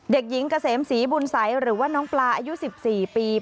เด็กหญิงเกษมศรีบุญสัยหรือว่าน้องปลาอายุ๑๔ปี